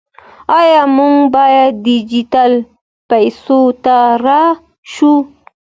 آیا موږ باید ډیجیټل پیسو ته لاړ شو؟